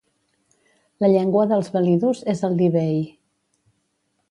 La llengua dels velidus és el divehi.